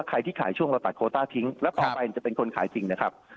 ใครที่ขายช่วงเราตัดโคต้าทิ้งแล้วต่อไปจะเป็นคนขายจริงนะครับ